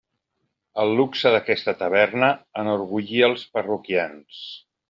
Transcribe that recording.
El luxe d'aquesta taverna enorgullia els parroquians.